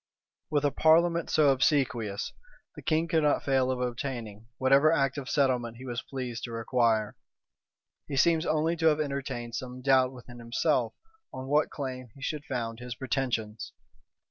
With a parliament so obsequious, the king could not fail of obtaining whatever act of settlement he was pleased to require. He seems only to have entertained some doubt within himself on what claim he should found his pretensions.